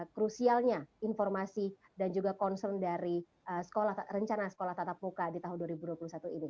krusialnya informasi dan juga concern dari rencana sekolah tatap muka di tahun dua ribu dua puluh satu ini